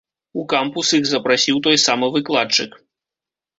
У кампус іх запрасіў той самы выкладчык.